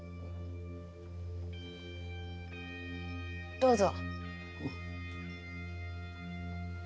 どうぞ。